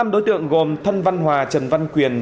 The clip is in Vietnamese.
năm đối tượng gồm thân văn hòa trần văn quyền